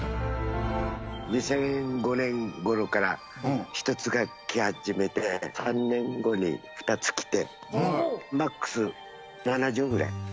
２００５年ごろから、１つが来始めて、３年後に２つ来て、マックス７０ぐらい。